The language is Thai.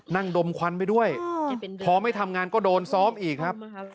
ดมควันไปด้วยพอไม่ทำงานก็โดนซ้อมอีกครับ